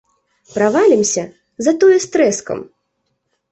Правалімся, затое з трэскам!